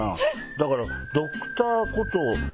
だから。